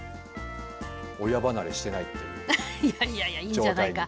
親離れしてないっていう状態に。